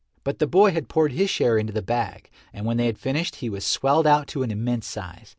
But the boy had poured his share into the bag and when they had finished he was swelled out to an immense size.